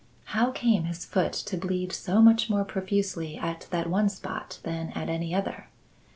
How came his foot to bleed so much more profusely at that one spot than at any other?